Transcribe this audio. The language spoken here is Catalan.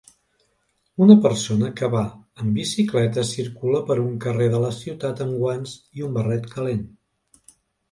Una persona que va en bicicleta circula per un carrer de la ciutat amb guants i un barret calent.